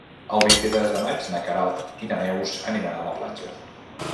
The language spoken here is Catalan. El vint-i-tres de maig na Queralt i na Neus aniran a la platja.